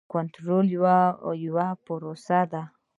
کنټرول یوه پروسه ده.